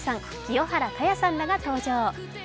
清原果耶さんらが登場。